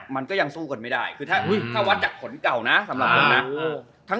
มันก็ยังทรงกว่าไม่ได้เพราะว่าจะวัดจากผลเก่านะสำหรับผมนะ